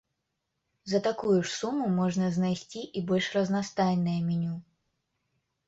За такую ж суму можна знайсці і больш разнастайнае меню.